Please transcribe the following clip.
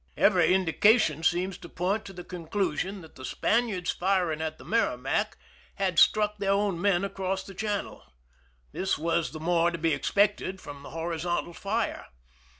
Every indication seems to point to the conclusion that the Spaniards firing at the Merrimac had struck their own men across the channel. This was the more to be expected from the horizontal fire.